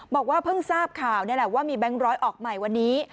บอกว่าเพิ่งทราบข่าวนี่แหละว่ามีแบงค์ร้อยออกใหม่วันนี้